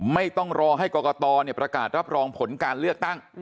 ไม่ต้องรอให้กรกตประกาศรับรองผลการเลือกตั้ง